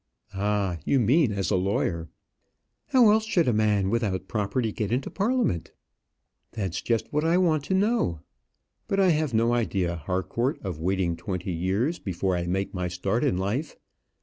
"Ah, you mean as a lawyer." "How else should a man without property get into Parliament?" "That's just what I want to know. But I have no idea, Harcourt, of waiting twenty years before I make my start in life.